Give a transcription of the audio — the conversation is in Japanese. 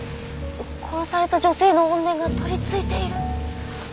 殺された女性の怨念が取りついている？